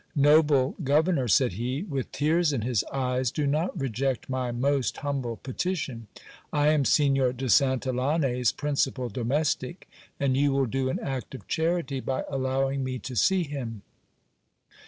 Noble governor, said he, with tears in his eyes, do not reject my most humble petition. I am Signor de Santillane's principal domestic, and you will do an act of charity by allowing me to see him.